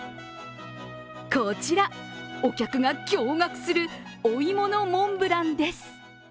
こちら、お客が驚がくするおいものモンブランです。